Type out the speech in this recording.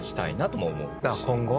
今後？